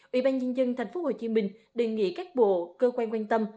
ủy ban nhân dân thành phố hồ chí minh đề nghị các bộ cơ quan quan tâm